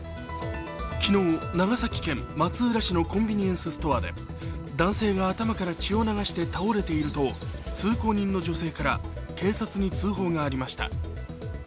昨日、長崎県松浦市のコンビニエンスストアで男性が頭から血を流して倒れていると通行人の女性から警察に通報がありました。